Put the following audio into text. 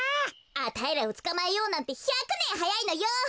あたいらをつかまえようなんて１００ねんはやいのよ！